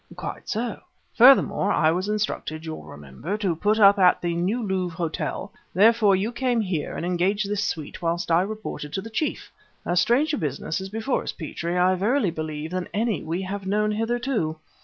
"Quite so." "Furthermore, I was instructed, you'll remember, to put up at the New Louvre Hotel; therefore you came here and engaged this suite whilst I reported to the chief. A stranger business is before us, Petrie, I verily believe, than any we have known hitherto.